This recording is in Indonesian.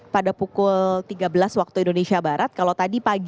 pada pukul tiga belas waktu indonesia barat